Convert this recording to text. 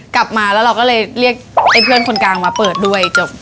กลับมาแล้วเราก็เลยเรียกไอ้เพื่อนคนกลางมาเปิดด้วยจบ